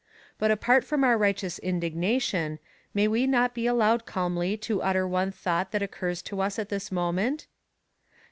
But apart from our righteous indignation, may we not be allowed calmly to utter one thought that occurs to us at this moment?